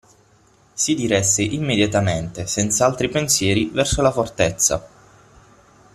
Si diresse immediatamente, senza altri pensieri, verso la fortezza.